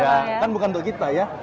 ya kan bukan untuk kita ya